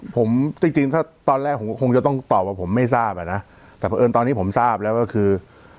ผมจริงจริงถ้าตอนแรกผมก็คงจะต้องตอบว่าผมไม่ทราบอ่ะนะแต่เพราะเอิญตอนนี้ผมทราบแล้วก็คือ